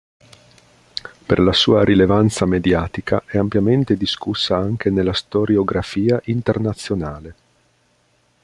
Per la sua rilevanza mediatica è ampiamente discussa anche nella storiografia internazionale.